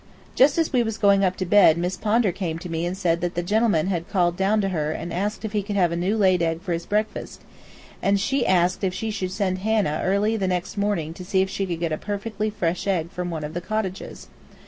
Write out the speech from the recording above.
Just as we was going up to bed Miss Pondar came to me and said that the gentleman had called down to her and asked if he could have a new laid egg for his breakfast, and she asked if she should send Hannah early in the morning to see if she could get a perfectly fresh egg from one of the cottages.